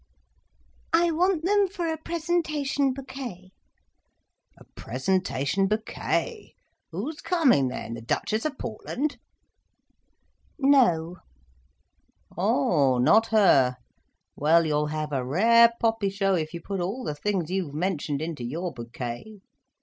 "I want them for a presentation bouquet." "A presentation bouquet! Who's coming then?—the Duchess of Portland?" "No." "Oh, not her? Well you'll have a rare poppy show if you put all the things you've mentioned into your bouquet."